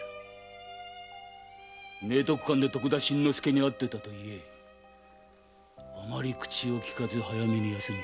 明徳館で徳田新之助に会っていたと言いあまり口をきかず早めに休め。